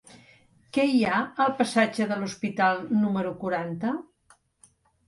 Què hi ha al passatge de l'Hospital número quaranta?